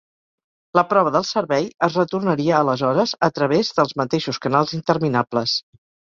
La prova del servei es retornaria aleshores a través dels mateixos canals interminables.